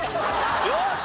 よし！